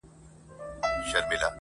o پردۍ موچڼه پر پښه معلومېږي٫